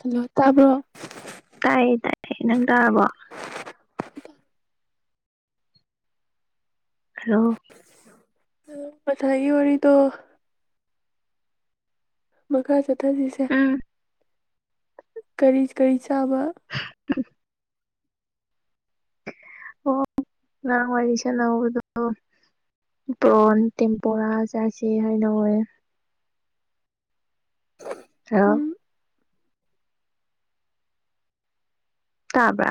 hello ꯇꯥꯕ꯭ꯔꯣ ꯇꯥꯏꯌꯦ ꯇꯥꯏꯌꯦ ꯅꯪ ꯇꯥꯔꯕꯣ ꯍꯜꯂꯣ ꯄꯊꯏ ꯑꯣꯏꯔꯔꯤꯗꯣ ꯃꯈꯥ ꯆꯠꯊꯁꯤꯁꯦ ꯎꯝ ꯀꯔꯤ ꯀꯔꯤ ꯆꯥꯕ ꯎꯝ ꯑꯣ ꯉꯔꯥꯡ ꯋꯥꯔꯤ ꯁꯥꯟꯅꯧꯕꯗꯣ ꯕ꯭ꯔꯣꯟ ꯇꯤꯄꯣꯔꯥ ꯆꯥꯏꯁꯦ ꯍꯥꯏꯅ ꯑꯣꯏꯦ ꯑ ꯎꯝ ꯇꯥꯕ꯭ꯔ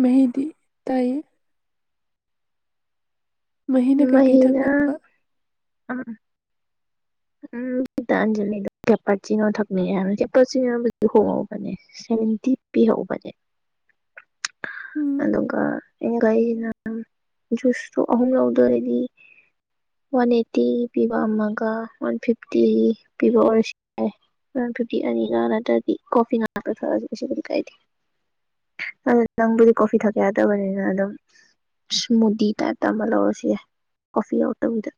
ꯃꯦꯍꯤꯗꯤ ꯇꯥꯏꯌꯦ ꯃꯍꯤꯅ ꯀꯩꯀꯩ ꯃꯍꯩꯅ ꯊꯛꯇꯣꯏꯕ ꯎꯝ ꯇꯟꯖꯂꯤꯗ ꯆꯦꯄꯠ ꯆꯤꯅꯣ ꯊꯛꯅꯤ ꯍꯥꯏꯅ ꯆꯦꯄꯠ ꯆꯟꯅꯁꯨ ꯍꯣꯡꯍꯧꯕꯅꯦ ꯁꯚꯦꯟꯇꯤ ꯄꯤꯍꯧꯕꯅꯦꯦ [unintelligible] ꯎꯝ ꯑꯗꯀ ꯌꯦ ꯀꯩꯅ ꯖꯨꯁꯇꯣ ꯑꯍꯨꯝ ꯂꯧꯗꯔꯗꯤ ꯋꯥꯟ ꯑꯦꯠꯇꯤ ꯄꯤꯕꯝꯃꯒ ꯋꯥꯟ ꯐꯤꯞꯇꯤ ꯄꯤꯕ ꯑꯣꯏꯔꯁꯤ ꯐꯤꯞꯇꯤ ꯑꯅꯤꯒ ꯅꯠꯇ꯭ꯔꯗꯤ ꯀꯣꯐꯤ ꯉꯇ ꯊꯛꯑꯁꯨ ꯀꯩꯁꯨ ꯀ ꯀꯥꯏꯗꯦ ꯅꯪꯕꯨ ꯀꯣꯐꯤ ꯊꯦ ꯑꯗꯕꯅꯤꯅꯤꯅꯝ ꯏꯁꯃꯨꯗꯤ ꯇꯥꯏ ꯑꯃ ꯑꯣꯦ ꯀꯣꯐꯤ ꯑꯇꯗ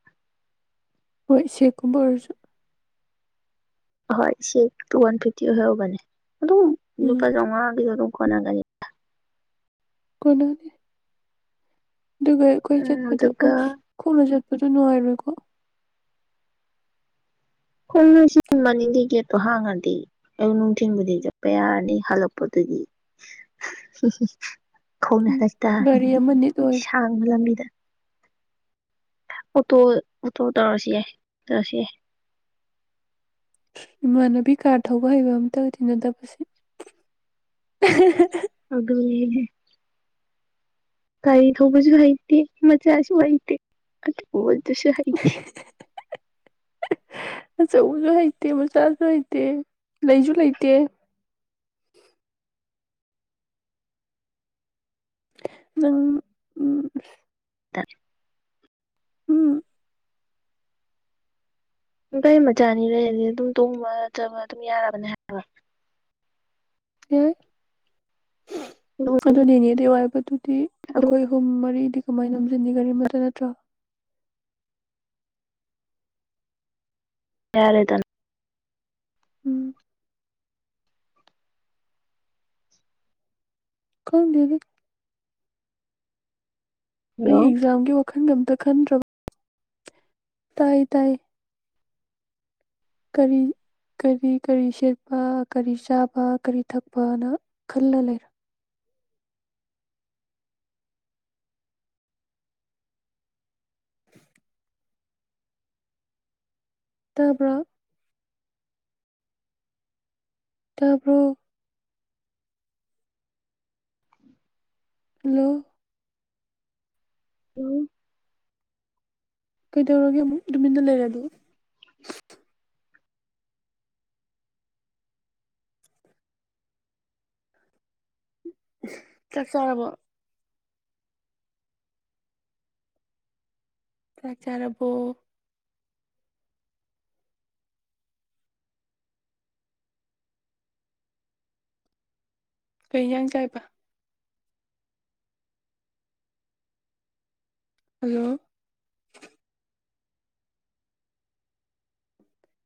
ꯍꯣꯏ ꯁꯤꯦ ꯀꯨꯃꯥꯔꯁꯨ ꯍꯣꯏ ꯁꯤꯨ ꯋꯥꯟ ꯐꯤꯐꯇꯤ ꯑꯣꯏꯔꯧꯕꯅꯦ ꯑꯗꯨꯝ ꯎꯝ ꯂꯨꯄꯥ ꯆꯥꯝꯃꯉꯥꯒꯤꯁꯨ ꯑꯗꯨꯝ ꯀꯣꯟꯅꯒꯅꯤ ꯀꯨꯅꯥꯗꯤ ꯑꯗꯨꯒ ꯑꯩꯈꯣꯏ ꯎꯝ ꯆꯠꯄꯗꯣ ꯑꯗꯨꯒ ꯑꯁ ꯈꯣꯡꯅ ꯆꯠꯄꯗꯣ ꯅꯨꯡꯉꯥꯏꯔꯣꯏꯀꯣ ꯈꯣꯡꯡꯂꯣꯏꯁꯤ ꯃꯅꯤꯡꯗꯤ ꯒꯦꯠꯇꯣ ꯍꯥꯡꯉꯗꯤ ꯑꯌꯨꯛ ꯅꯨꯡꯊꯤꯟꯕꯨꯗꯤ ꯆꯠꯄ ꯌꯥꯔꯅꯤ ꯍꯜꯂꯛꯄꯗꯨꯗꯤ ꯀꯧꯅ ꯎꯝ ꯍꯔꯁꯤꯛꯇ ꯒꯥꯔꯤ ꯑꯃ ꯅꯤꯠ ꯑꯣꯏꯔꯦ ꯁꯥꯡꯕ ꯂꯝꯕꯤꯗ ꯑꯣꯇꯣ ꯑꯣꯇꯣ ꯇꯧꯔꯁꯤ ꯌꯥꯏ ꯇꯧꯑꯁꯤ ꯌꯥꯏ ꯏꯃꯥꯟꯅꯕꯤ ꯀꯥꯔ ꯊꯧꯕ ꯍꯩꯕ ꯑꯃꯝꯇ ꯇꯤꯟꯅꯗꯕꯁꯦ ꯑꯗꯨꯅꯤ ꯒꯥꯔꯤ ꯊꯧꯕꯁꯨ ꯍꯩꯇꯦ ꯃꯆꯥꯁꯨ ꯍꯩꯇꯦ ꯑꯆꯧꯕ ꯗꯨꯁꯨ ꯍꯩꯇꯦ ꯑꯆꯧꯕꯁꯨ ꯍꯩꯇꯦ ꯃꯆꯥꯁꯨ ꯍꯩꯇꯦ ꯂꯩꯁꯨ ꯂꯩꯇꯦ ꯅꯪ ꯎꯝ ꯇꯥꯏ ꯎꯝ ꯀꯒꯥꯩ ꯃꯆꯥꯅꯤ ꯂꯩꯔꯗꯤ ꯑꯗꯨꯝ ꯇꯣꯡꯕ ꯆꯕ ꯑꯗꯨꯝ ꯌꯥꯔꯕꯅꯦ ꯍꯥꯏ ꯑꯦ ꯑꯗꯨꯝ ꯑꯗꯨ ꯅꯤꯗꯤ ꯋꯥꯔꯕ ꯇꯨꯗꯤ ꯑꯗꯨꯝ ꯑꯩꯈꯣꯏ ꯑꯍꯨꯝ ꯃꯔꯤꯗꯤ ꯀꯃꯥꯏꯅ ꯅꯣꯝꯖꯤꯟꯅꯤꯒꯔꯤꯃꯇ ꯅꯠꯇ꯭ꯔꯣ ꯌꯥꯔꯦꯗ ꯎꯝ ꯈꯪꯗꯦꯗ ꯑꯩ ꯍꯜꯂꯣ ꯑꯦꯛꯖꯥꯝꯒꯤ ꯋꯥꯈꯜꯒ ꯑꯝꯇ ꯈꯟꯗ꯭ꯔꯕ ꯇꯥꯏ ꯇꯥꯏ ꯀꯔꯤ ꯀꯔꯤ ꯀꯔꯤ ꯁꯦꯠꯄ ꯀꯔꯤ ꯆꯥꯕ ꯀꯔꯤ ꯊꯛꯄꯅ ꯈꯜꯂ ꯂꯩꯔ ꯇꯥꯕ꯭ꯔꯣ ꯇꯥꯕ꯭ꯔꯣ ꯍꯜꯂꯣ ꯎꯝ ꯀꯩꯗꯧꯔꯒꯦ ꯑꯃꯨꯛ ꯅꯨꯃꯤꯟꯗ ꯂꯩꯔꯦ ꯑꯗꯨ ꯆꯥꯛ ꯆꯔꯕ ꯆꯥꯛ ꯆꯔꯕꫭ ꯀꯩ ꯏꯤꯟꯁꯥꯡ ꯆꯥꯏꯕ ꯍꯜꯂꯣ